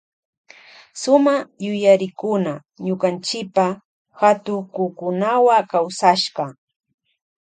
Suma yuyarikuna ñukanchipa hatukukunawa kawsashka.